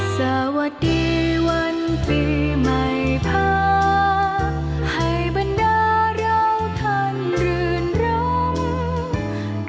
สวัสดีวันปีใหม่พาให้บรรดาเราท่านรื่นรม